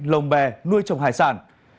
lồng bè nuôi trồng hải sản